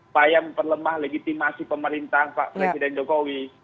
bayang perlemah legitimasi pemerintah pak presiden jokowi